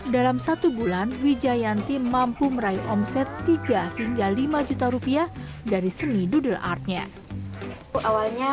dalam satu bulan wijayanti mampu meraih omset tiga hingga lima juta rupiah dari seni doodle artnya